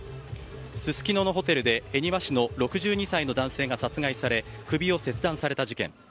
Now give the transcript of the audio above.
すすきののホテルで恵庭市の６２歳の男性が首を切断された事件。